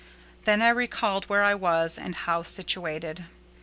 Then I recalled where I was, and how situated.